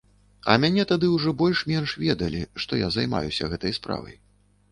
А мяне тады ўжо больш-менш ведалі, што я займаюся гэтай справай.